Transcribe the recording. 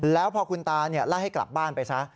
แล้วพอคุณตาไล่ให้กลับบ้านไปซะ